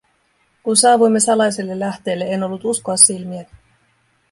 Kun saavuimme salaiselle lähteelle, en ollut uskoa silmiäni.